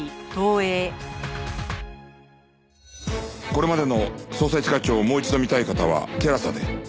これまでの『捜査一課長』をもう一度見たい方は ＴＥＬＡＳＡ で